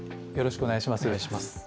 よろしくお願いします。